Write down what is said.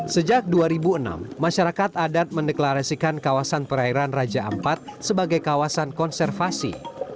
sejak dua ribu enam masyarakat adat mendeklarasikan kawasan perairan raja ampat sebagai kawasan konservasi